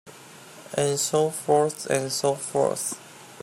And so forth and so forth.